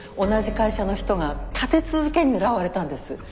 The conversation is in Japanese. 同じ会社の人が立て続けに狙われたんです。